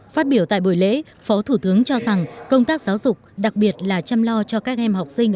phát biểu tại buổi lễ phó thủ tướng cho rằng công tác giáo dục đặc biệt là chăm lo cho các em học sinh